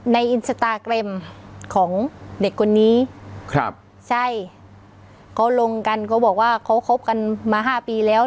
ในอินสตาแกรมของเด็กคนนี้ครับใช่เขาลงกันเขาบอกว่าเขาคบกันมาห้าปีแล้ว